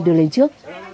đưa lên trước